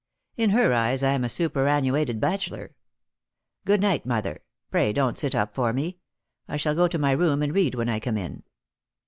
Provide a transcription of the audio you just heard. In her eyes I am a superannuated bachelor. Good night, mother. Pray don't sit up for me. I shall go to my room and read when I come in."